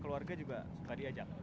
keluarga juga suka diajak